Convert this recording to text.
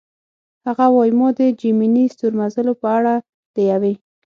هغه وايي: "ما د جیمیني ستورمزلو په اړه د یوې.